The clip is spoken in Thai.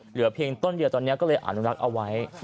เหลือเพียงต้นเดียวตอนนี้ก็เลยอนุรักษ์เอาไว้